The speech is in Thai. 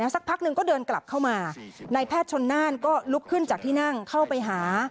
สักพักหนึ่งก็เดินกลับเข้ามานายแพทย์ชนน่านก็ลุกขึ้นจากที่นั่งเข้าไปหา